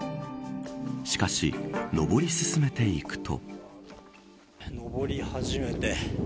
しかし、登り進めていくと。